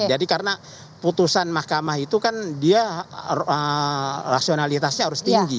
jadi karena putusan mahkamah itu kan dia rasionalitasnya harus tinggi